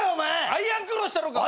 アイアンクローしたろか！